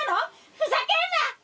ふざけんな！